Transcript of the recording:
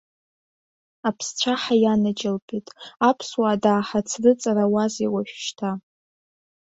Аԥсцәаҳа ианаџьалбеит, аԥсуаа дааҳацрыҵрауазеи уажәшьҭа!